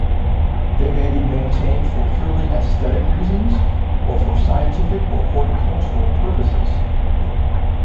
They may be maintained for purely aesthetic reasons or for scientific or horticultural purposes.